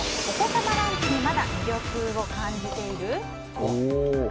お子様ランチにまだ魅力を感じている？